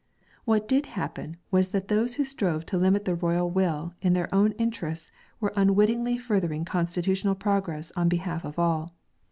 What did happen was that those who strove to limit the royal will in their own interests were unwittingly furthering constitutional progress on behalf of all.